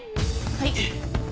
はい。